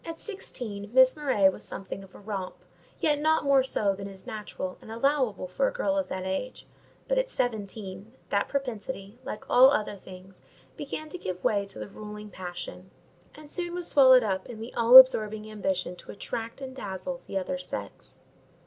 At sixteen, Miss Murray was something of a romp, yet not more so than is natural and allowable for a girl of that age, but at seventeen, that propensity, like all other things, began to give way to the ruling passion, and soon was swallowed up in the all absorbing ambition to attract and dazzle the other sex.